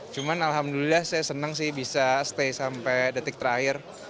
cuman alhamdulillah saya senang sih bisa stay sampai detik terakhir